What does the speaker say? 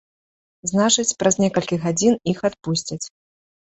Значыць, праз некалькі гадзін іх адпусцяць.